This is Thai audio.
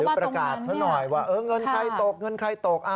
หรือประกาศซะหน่อยว่าเงินใครตก